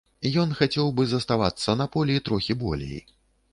Ён хацеў бы заставацца на полі трохі болей.